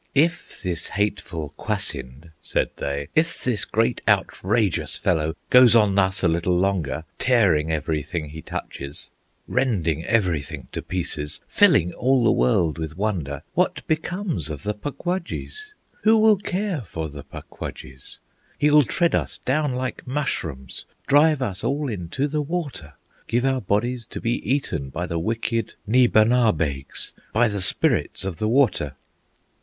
"If this hateful Kwasind," said they, "If this great, outrageous fellow Goes on thus a little longer, Tearing everything he touches, Rending everything to pieces, Filling all the world with wonder, What becomes of the Puk Wudjies? Who will care for the Puk Wudjies? He will tread us down like mushrooms, Drive us all into the water, Give our bodies to be eaten By the wicked Nee ba naw baigs, By the Spirits of the water!"